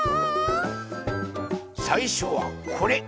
さいしょはこれ。